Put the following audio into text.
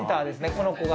この子が。